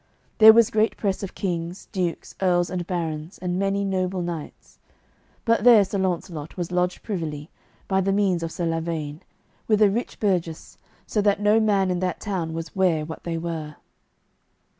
There was great press of kings, dukes, earls, and barons, and many noble knights; but there Sir Launcelot was lodged privily, by the means of Sir Lavaine, with a rich burgess, so that no man in that town was ware what they were.